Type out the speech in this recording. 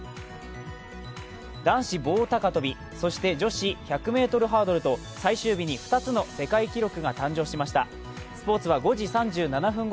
男子棒高跳、そして女子１００ｍハードルと最終日に２つの世界記録が誕生しました。